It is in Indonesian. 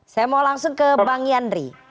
saya mau langsung ke bang yandri